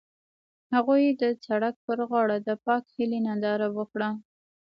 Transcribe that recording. هغوی د سړک پر غاړه د پاک هیلې ننداره وکړه.